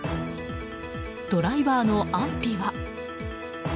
ドライバーの安否は？